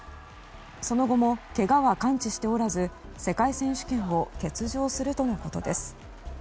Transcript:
その後もけがは完治しておらず世界選手権を欠場するとのことです。